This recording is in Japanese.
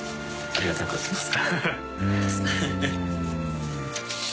ありがとうございます。